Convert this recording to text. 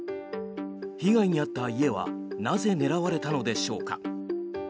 被害に遭った家はなぜ、狙われたのでしょうか。